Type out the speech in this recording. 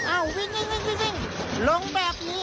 อ้าววิ่งลงแบบนี้